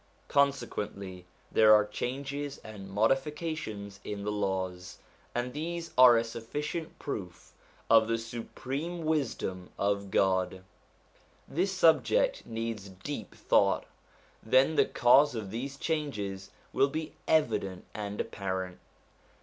Consequently there are changes and modi fications in the laws, and these are a sufficient proof of the supreme wisdom of God. This subject needs deep thought. Then the cause of these changes will be evident and apparent.